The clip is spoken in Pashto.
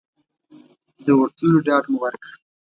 د ورتلو ډاډ مو ورکړ.